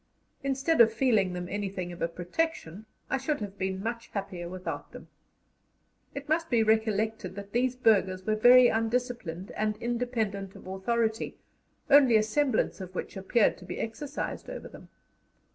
Instead of feeling them anything of a protection, I should have been much happier without them. It must be recollected that these burghers were very undisciplined and independent of authority, only a semblance of which appeared to be exercised over them.